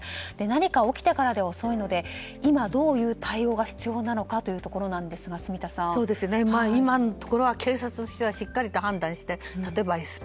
何か起きてからでは遅いので今どういう対応が必要なのかというところですが今のところは警察としてはしっかり判断し例えば、ＳＰ。